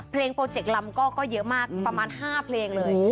โปรเจกต์ลำก็เยอะมากประมาณ๕เพลงเลย